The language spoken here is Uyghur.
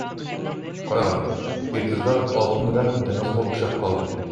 قاراڭ، ئېتىزلار ئالتۇن رەڭ دېڭىزغا ئوخشاپ قالدى.